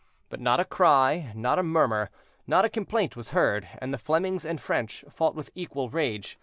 But not a cry—not a murmur—not a complaint was heard, and the Flemings and French fought with equal rage.